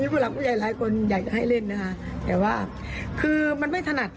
ผู้หลักผู้ใหญ่หลายคนอยากจะให้เล่นนะคะแต่ว่าคือมันไม่ถนัด